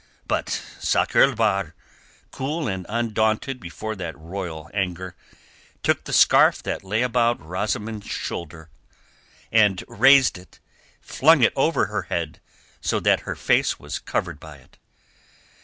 But Sakr el Bahr, cool and undaunted before that royal anger, took the scarf that lay about Rosamund's shoulders, and raising it, flung it over her head, so that her face was covered by it.